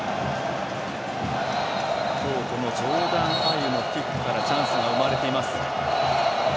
今日、このジョーダン・アイウのキックからチャンスが生まれています。